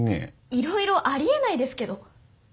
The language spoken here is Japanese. いろいろありえないですけど。